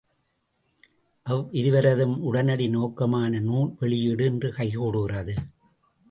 அவ்விருவரதும் உடனடி நோக்கமான நூல் வெளியீடு இன்று கைகூடுகிறது.